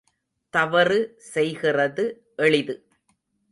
தவறு செய்கிறது எளிது.